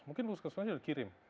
mungkin puskes mas sudah dikirim